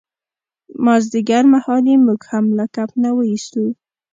مازدیګرمهال یې موږ هم له کمپ نه ویستو.